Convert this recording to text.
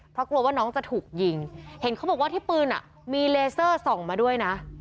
เพราะกลัวว่าน้องจะถูกยิงเห็นเขาบอกว่าที่ปืนอ่ะมีเลเซอร์ส่องมาด้วยนะ